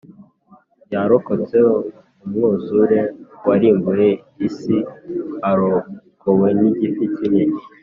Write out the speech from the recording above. yarokotse umwuzure warimbuye isi arokowe n’igifi kinini